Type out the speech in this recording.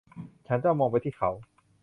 ฉันจ้องมองไปที่เขา